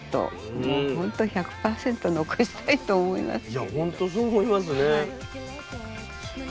いやほんとそう思いますね。